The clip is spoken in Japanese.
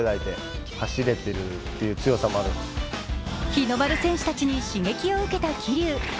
日の丸戦士たちに刺激を受けた桐生。